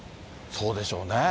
そうでしょうね。